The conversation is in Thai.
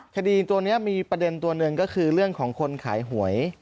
คดีตัวนี้มีประเด็นตัวหนึ่งก็คือเรื่องของคนขายหวย